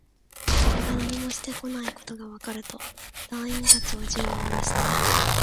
それが何もしてこないことがわかると、隊員達は銃をおろした